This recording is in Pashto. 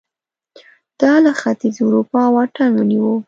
دا له ختیځې اروپا واټن ونیو